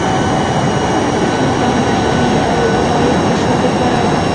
حتا نهيلي له ورايه په شنډو خوره وه .